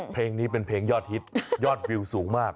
เพลงนี้เป็นเพลงยอดฮิตยอดวิวสูงมาก